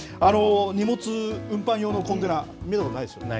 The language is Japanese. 荷物運搬用のコンテナ、見たことないですよね。